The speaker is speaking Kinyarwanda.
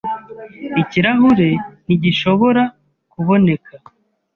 ikirahure ntigishobora kuboneka.